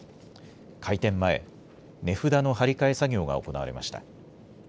開店前、値札の貼り替え作業が行われました。